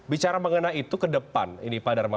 bicara mengenai itu ke depan ini pak dharma